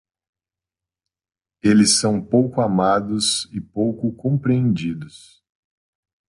Eles são pouco amados e pouco compreendidos.